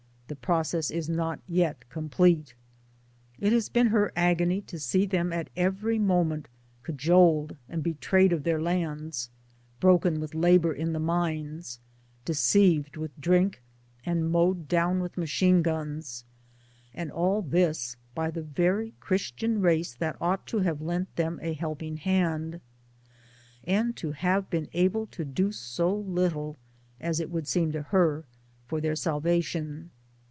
the process is not yet complete. It has been her agony to see them at every moment cajoled and 1 betrayed of their lands, broken with labour in the mines, deceived with drink, and mowed down with machine guns and all this by the very Christian race that ought to have lent them a helping hand ; and to have been able to do so little (as it would seem to her) for their salvation.